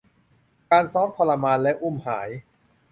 การซ้อมทรมานและอุ้มหาย